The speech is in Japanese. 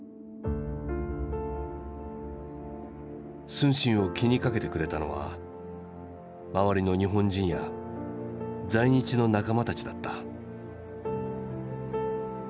承信を気にかけてくれたのは周りの日本人や在日の仲間たちだった。